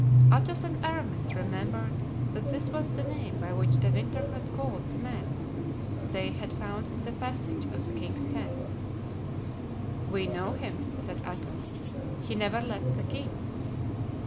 Athos and Aramis remembered that this was the name by which De Winter had called the man they had found in the passage of the king's tent. "We know him," said Athos, "he never left the king."